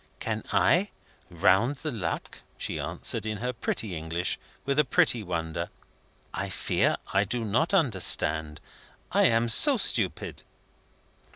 "Can I? Round the luck?" she answered, in her pretty English, and with a pretty wonder. "I fear I do not understand. I am so stupid."